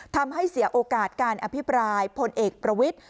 ทำให้เสียโอกาสการอภิปรายพลเอกประวิทธิ